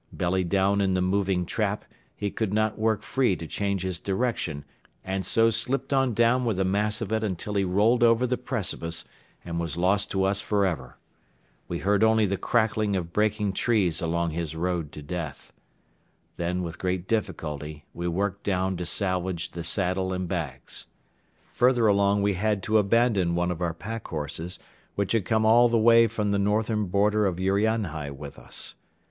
Belly down in the moving trap, he could not work free to change his direction and so slipped on down with a mass of it until he rolled over the precipice and was lost to us forever. We heard only the crackling of breaking trees along his road to death. Then with great difficulty we worked down to salvage the saddle and bags. Further along we had to abandon one of our pack horses which had come all the way from the northern border of Urianhai with us.